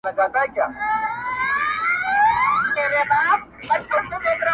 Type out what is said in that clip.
د تخلیق پر اړه ورته نظر درلود